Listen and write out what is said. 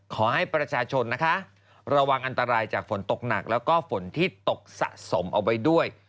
ขอให้ประชาชนนะคะระวังอันตรายจากฝนตกหนักแล้วก็ฝนที่ตกสะสมเอาไว้ด้วย